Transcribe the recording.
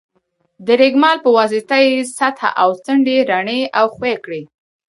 د رېګمال په واسطه یې سطحه او څنډې رڼې او ښوي کړئ.